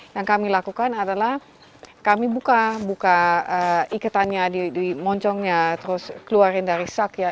yang kami lakukan adalah kami buka ikatannya di moncongnya terus keluarin dari sak ya